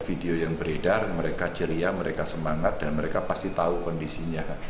video yang beredar mereka ceria mereka semangat dan mereka pasti tahu kondisinya